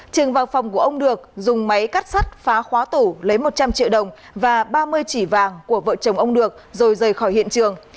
trường vào phòng của ông được dùng máy cắt sắt phá khóa tủ lấy một trăm linh triệu đồng và ba mươi chỉ vàng của vợ chồng ông được rồi rời khỏi hiện trường